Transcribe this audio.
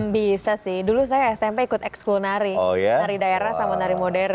bisa sih dulu saya smp ikut ekskul nari nari daerah sama nari modern